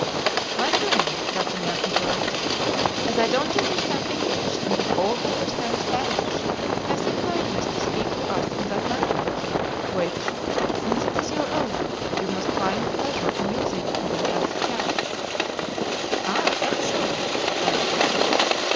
"My friend," D'Artagnan interrupted, "as I don't understand English and we all understand Spanish, have the kindness to speak to us in that language, which, since it is your own, you must find pleasure in using when you have the chance." "Ah! excellent!" said Aramis.